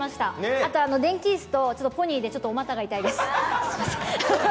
あと、電気椅子とポニーで、ちょっとお股が痛いです。